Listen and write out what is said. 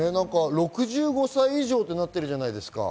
６５歳以上となってるじゃないですか。